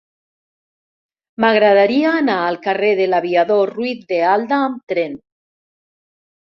M'agradaria anar al carrer de l'Aviador Ruiz de Alda amb tren.